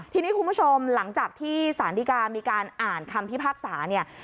ทีนี้คุณผู้ชมหลังจากที่สารดีกามีการอ่านคำพิพากษาเนี่ย